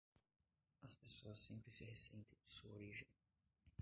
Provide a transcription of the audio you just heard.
As pessoas sempre se ressentem de sua origem.